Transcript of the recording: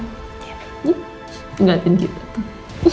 nih ngegantin kita tuh